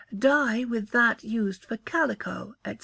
Dye with that used for calico, &c.